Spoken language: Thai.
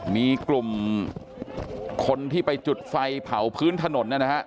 มีกลุ่มคนที่ไปจุดไฟเผาพื้นถนนเนี่ยนะครับ